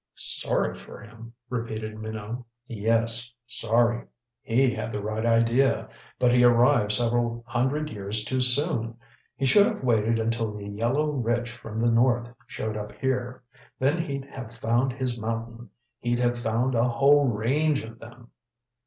"Sorry for him?" repeated Minot. "Yes sorry. He had the right idea, but he arrived several hundred years too soon. He should have waited until the yellow rich from the North showed up here. Then he'd have found his mountain he'd have found a whole range of them."